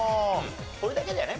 これだけじゃね